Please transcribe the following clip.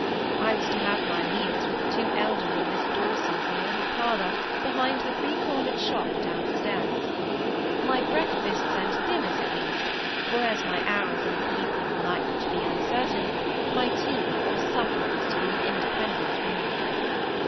I was to have my meals with the two elderly Miss Dawsons in the little parlour behind the three cornered shop downstairs; my breakfasts and dinners at least, for, as my hours in an evening were likely to be uncertain, my tea or supper was to be an independent meal.